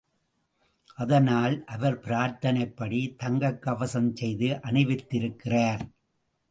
அதனால் அவர் பிரார்த்தனைப்படி தங்கக் கவசம் செய்து அணிவித்திருக்கிறார்.